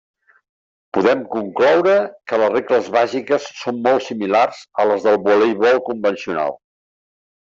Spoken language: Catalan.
Podem concloure, que les regles bàsiques són molt similars a les del voleibol convencional.